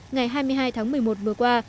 ngày hai mươi hai tháng một mươi một vừa qua